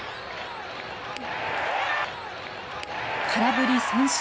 空振り三振。